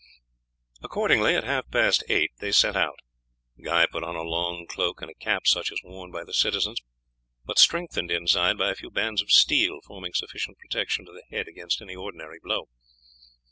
Accordingly at half past eight they set out. Guy put on a long cloak and a cap such as was worn by the citizens, but strengthened inside by a few bands of steel forming sufficient protection to the head against any ordinary blow.